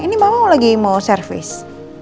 ini mama lagi mau service